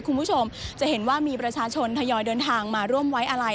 คุณผู้ชมจะเห็นว่ามีประชาชนทยอยเดินทางมาร่วมไว้อะไร